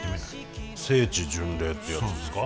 聖地巡礼ってやつですか？